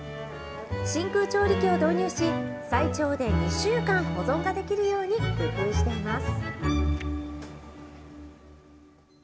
真空調理器を導入し、最長で２週間保存ができるように工夫しています。